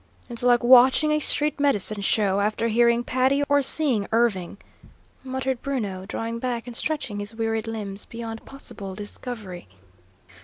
"It's like watching a street medicine show, after hearing Patti or seeing Irving," muttered Bruno, drawing back and stretching his wearied limbs beyond possible discovery.